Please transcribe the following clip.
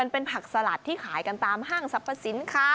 เป็นผักสลัดที่ขายกันตามห้างสรรพสินค้า